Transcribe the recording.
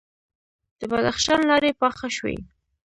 د بدخشان لارې پاخه شوي؟